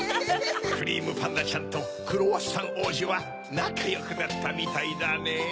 クリームパンダちゃんとクロワッサンおうじはなかよくなったみたいだねぇ。